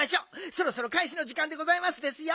そろそろかいしのじかんでございますですよ。